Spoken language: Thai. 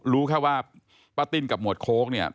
รู้แค่ว่าป้าติ้นกับหมวดโค้กเนี่ย